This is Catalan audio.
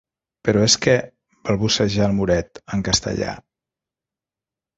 Però és que —balbuceja el moret, en castellà.